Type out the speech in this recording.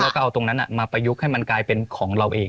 แล้วก็เอาตรงนั้นมาประยุกต์ให้มันกลายเป็นของเราเอง